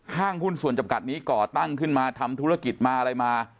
ห้างหุ้นส่วนจำกัดนี้ก่อตั้งขึ้นมาทำธุรกิจมาอะไรมา